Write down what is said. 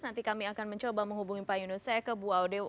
nanti kami akan mencoba menghubungi pak yunus saya ke bu aude